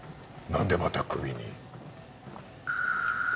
何でまたクビに？